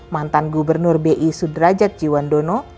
mantan gubernur bi sudrajat jiwandono